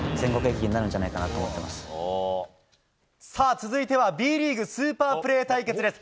続いてはＢリーグスーパープレー対決です。